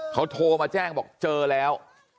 เขาโทรมาแจ้งบอกเจอแล้ว